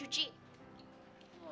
mana ada kalau merenang cuci